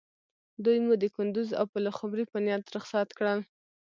دوی مو د کندوز او پلخمري په نیت رخصت کړل.